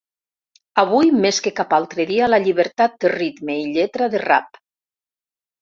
Avui més que cap altre dia, la llibertat té ritme i lletra de rap.